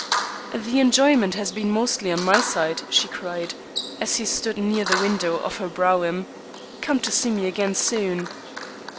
"The enjoyment has been mostly on my side," she cried, as he stood near the window of her brougham. "Come to see me again soon."